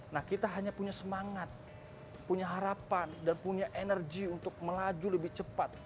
nah kita hanya punya semangat punya harapan dan punya energi untuk melaju lebih cepat